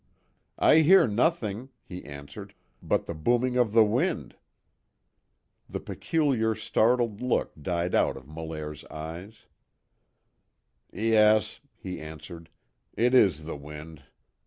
"I hear nothing," he answered, "but the booming of the wind." The peculiar startled look died out of Molaire's eyes: "Yes," he answered, "It is the wind.